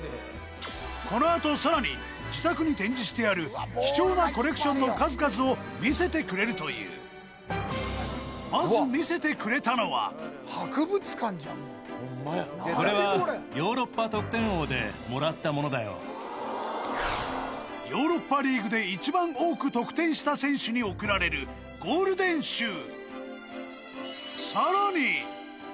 このあとさらに自宅に展示してある貴重なコレクションの数々を見せてくれるというまず見せてくれたのはこれはヨーロッパリーグで一番多く得点した選手に贈られるゴールデンシュー